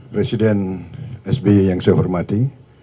presiden sby yang saya hormati